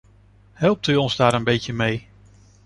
Helpt u ons daar een beetje mee!